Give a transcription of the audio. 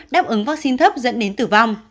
đáp ứng vaccine thấp dẫn đến tử vong